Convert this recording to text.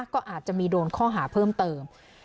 ก็อาจจะมีโดนข้อหาเพิ่มเติม